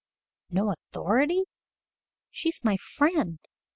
"No authority? She is my friend.